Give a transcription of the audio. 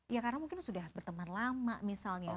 ya karena mungkin sudah berteman lama misalnya